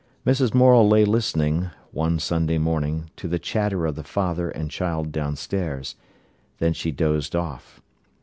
Mrs. Morel lay listening, one Sunday morning, to the chatter of the father and child downstairs. Then she dozed off.